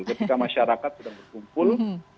ketika masyarakat sedang berkumpul